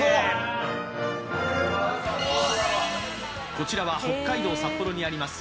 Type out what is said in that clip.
こちらは北海道札幌にあります